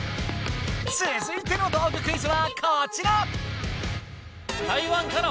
続いての道具クイズはこちら！